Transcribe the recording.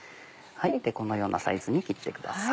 このようなサイズに切ってください。